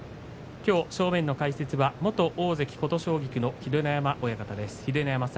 きょう正面の解説は元大関琴奨菊の秀ノ山親方です。